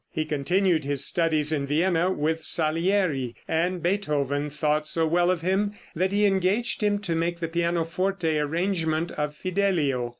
He continued his studies in Vienna with Salieri, and Beethoven thought so well of him that he engaged him to make the pianoforte arrangement of "Fidelio."